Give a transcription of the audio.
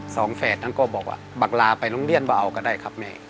แฝดนั้นก็บอกว่าบังลาไปโรงเรียนว่าเอาก็ได้ครับแม่